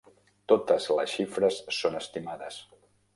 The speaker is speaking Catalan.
Totes les xifres són estimades.